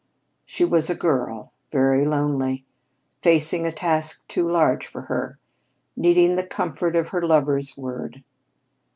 She was a girl, very lonely, facing a task too large for her, needing the comfort of her lover's word.